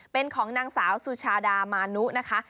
เป็นของนางสาวสุชาดามานุนะคะ